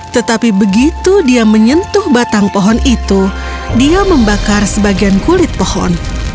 tetapi begitu dia menyentuh batang pohon itu dia membakar sebagian kulit pohon